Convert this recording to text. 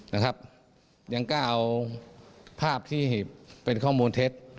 นะครับยังกล้าเอาภาพที่เป็นข้อมูลเท็จ